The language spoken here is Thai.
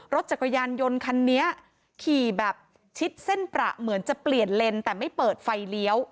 รถจักรยานยนต์คันนี้ขี่แบบชิดเส้นประเหมือนจะเปลี่ยนเลนแต่ไม่เปิดไฟเลี้ยว